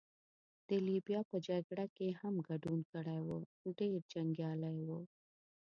د لیبیا په جګړه کې يې هم ګډون کړی وو، چې ډېر جنګیالی وو.